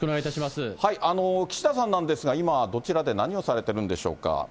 岸田さんなんですが、今、どちらで何をされてるんでしょうか。